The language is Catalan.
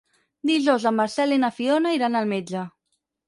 Dijous en Marcel i na Fiona iran al metge.